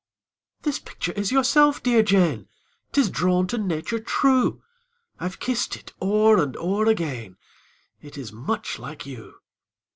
"This picture is yourself, dear Jane 'Tis drawn to nature true: I've kissed it o'er and o'er again, It is much like you."